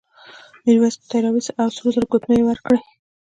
میرويس قوطۍ راوایستې او سرو زرو ګوتمۍ یې ورکړې.